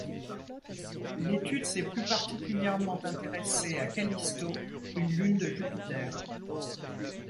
L'étude s'est plus particulièrement intéressée à Callisto, une lune de Jupiter.